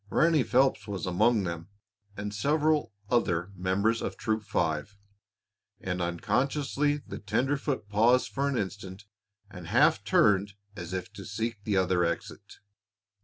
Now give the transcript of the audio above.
Ranny Phelps was among them, and several other members of Troop Five, and unconsciously the tenderfoot paused for an instant and half turned as if to seek the other exit.